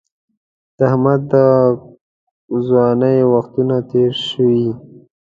د احمد د ځوانۍ وختونه تېر شوي.